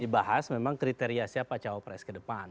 dibahas memang kriteria siapa cawapres kedepan